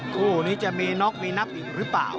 คู่นี้จะมีน็อกมีนับอีกหรือเปล่า